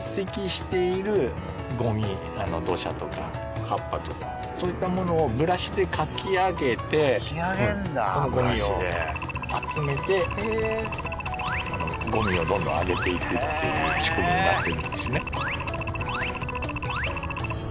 土砂とか葉っぱとかそういったものをブラシでかき上げてそのゴミを集めてゴミをどんどん上げていくっていう仕組みになってるんですね。